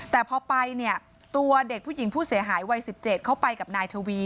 แต่พอไปเนี่ยตัวเด็กผู้หญิงผู้เสียหายวัย๑๗เขาไปกับนายทวี